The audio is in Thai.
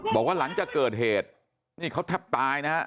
บอกว่าหลังจากเกิดเหตุนี่เขาแทบตายนะฮะ